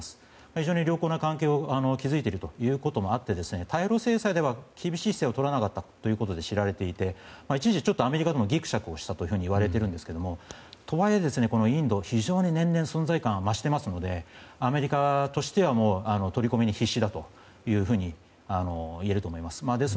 非常に良好な関係を築いているということで対露制裁では厳しい対応をとらなかったことでも知られていて、一時アメリカともぎくしゃくしたと言われているんですがとはいえ、インドは年々存在感が増していますのでアメリカとしては取り込みに必死だといえると思います。